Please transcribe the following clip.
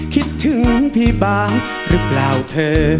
คิดถึงพี่บ้างหรือเปล่าเธอ